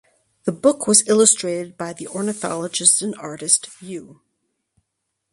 The book was illustrated by the ornithologist and artist Yu.